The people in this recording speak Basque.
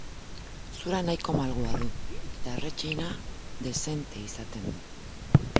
Zura nahiko malgua du, eta erretxina dezente izaten du.